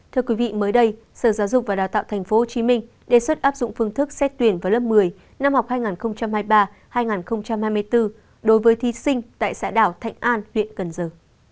thưa quý vị mới đây sở giáo dục và đào tạo tp hcm đề xuất áp dụng phương thức xét tuyển vào lớp một mươi năm học hai nghìn hai mươi ba hai nghìn hai mươi bốn đối với thí sinh tại xã đảo thạnh an huyện cần giờ